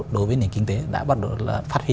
đối với nền kinh tế đã bắt đầu là phát huy